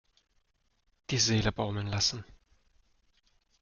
Die Seele baumeln lassen.